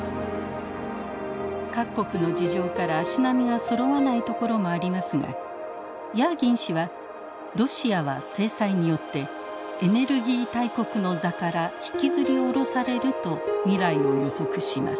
各国の事情から足並みがそろわないところもありますがヤーギン氏はロシアは制裁によってエネルギー大国の座から引きずり降ろされると未来を予測します。